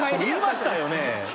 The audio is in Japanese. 言いましたよね？